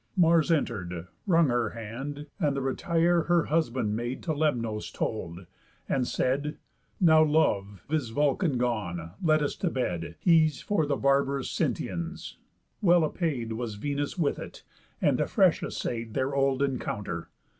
Mars enter'd, wrung her hand, and the retire Her husband made to Lemnos told, and said; "Now, love, is Vulcan gone, let us to bed, He's for the barbarous Sintians." Well appay'd Was Venus with it; and afresh assay'd Their old encounter.